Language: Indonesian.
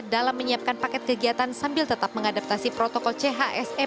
dalam menyiapkan paket kegiatan sambil tetap mengadaptasi protokol chse